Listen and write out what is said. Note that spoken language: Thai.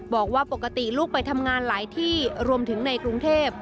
บอกว่าปกติลูกไปทำงานหลายที่รวมถึงในกรุงเทพ